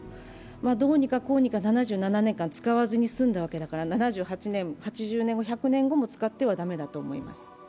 どうにかこうにか７７年間使わずに済んだわけだから７８年、８０年、１００年後も使っては駄目だと思います。